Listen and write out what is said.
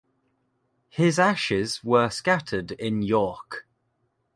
His ashes were scattered in York.